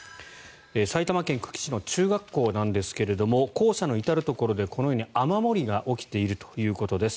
埼玉県久喜市の中学校なんですが校舎の至るところでこのように雨漏りが起きているということです。